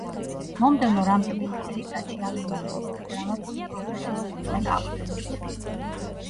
მომდევნო რამდენიმე წელიწადში ამ მიმართულებით „დრამატული პროგრესის მოწმე გავხდებით“.